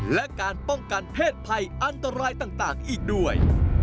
และการป้องกันเพศภัยอันตรายต่างอีกด้วย